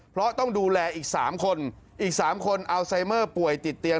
เพราะต้องดูแลอีก๓คนอีก๓คนอัลไซเมอร์ป่วยติดเตียง